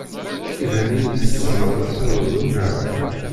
Iban-iyi-d tzemreḍ ad taruḍ ugar.